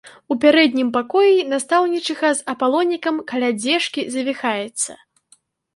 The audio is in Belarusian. У пярэднім пакоі настаўнічыха з апалонікам каля дзежкі завіхаецца.